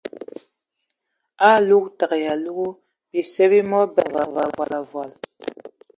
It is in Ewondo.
Alug təgə ai alugu ;bisie bi mɔ biben və avɔl avɔl.